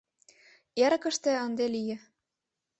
Эрыкыште ынде лие.